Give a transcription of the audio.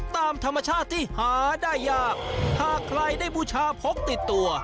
ตามธรรมชาติที่หาได้ยากหากใครได้บูชาพกติดตัว